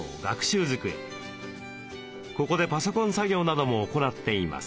ここでパソコン作業なども行っています。